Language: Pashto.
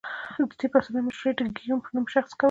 د دې پاڅونونو مشري د ګیوم په نوم شخص کوله.